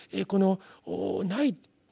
このない。